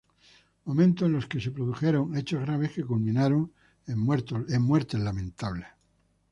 Momentos en los que se produjeron hechos graves que culminaron en muertes lamentables.